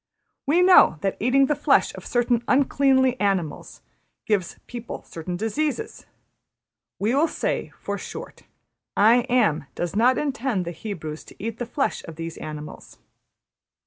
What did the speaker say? ``We know that eating the flesh of certain uncleanly animals gives people certain diseases; we will say, for short, `I Am' does not intend the Hebrews to eat the flesh of those animals.